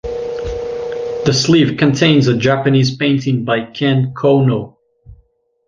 The sleeve contains a Japanese painting by Ken Konno.